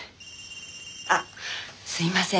あっすいません。